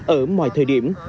ở mọi thời điểm